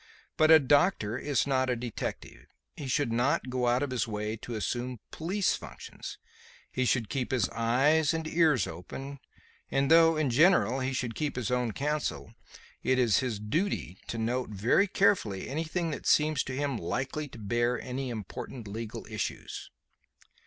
But a doctor is not a detective; he should not go out of his way to assume police functions. He should keep his eyes and ears open, and, though, in general, he should keep his own counsel, it is his duty to note very carefully anything that seems to him likely to bear on any important legal issues.